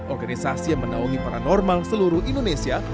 organisasi yang menaungi paranormal seluruh indonesia